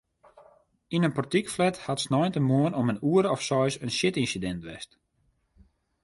Yn in portykflat hat sneintemoarn om in oere of seis in sjitynsidint west.